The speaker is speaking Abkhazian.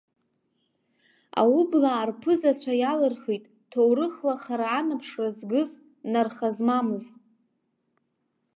Аублаақәа рԥызацәа иалырхит, ҭоурыхла хара анаԥшра згыз, нарха змамыз.